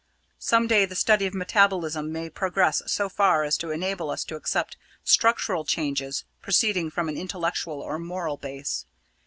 Some day the study of metabolism may progress so far as to enable us to accept structural changes proceeding from an intellectual or moral base.